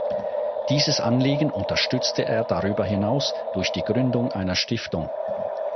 Dieses Anliegen unterstützte er darüber hinaus durch die Gründung einer Stiftung.